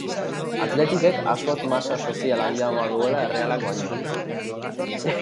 Athleticek askoz masa sozial handiagoa duela Errealak baino.